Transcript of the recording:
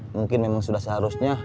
mungkin memang sudah seharusnya